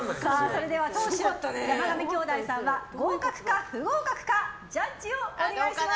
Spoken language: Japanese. それでは、党首山上兄弟さんは合格か、不合格かジャッジをお願いします。